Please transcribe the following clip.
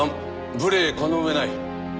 無礼この上ない。